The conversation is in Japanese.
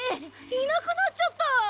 いなくなっちゃった。